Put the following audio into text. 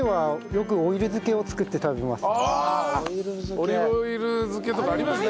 オリーブオイル漬けとかありますね。